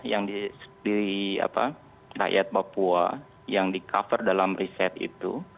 yang di rakyat papua yang di cover dalam riset itu